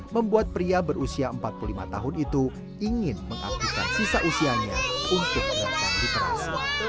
membuat pria berusia empat puluh lima tahun itu ingin mengaktifkan sisa usianya untuk datang di kelas